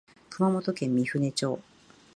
熊本県御船町